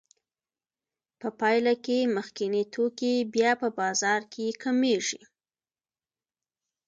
په پایله کې مخکیني توکي بیا په بازار کې کمېږي